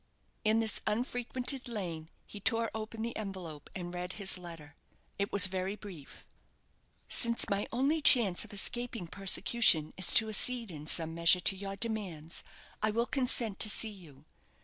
In this unfrequented lane he tore open the envelope, and read his letter. It was very brief: "_Since my only chance of escaping persecution is to accede, in some measure, to your demands, I will consent to see you.